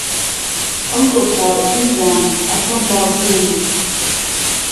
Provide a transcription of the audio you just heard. ئهوڕۆکه زریان ئهتۆم لازمی